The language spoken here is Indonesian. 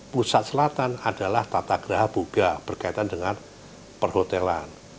pusat selatan adalah tata geraha buga berkaitan dengan perhotelan